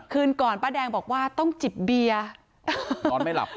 คืนก่อนป้าแดงบอกว่าต้องจิบเบียร์นอนไม่หลับ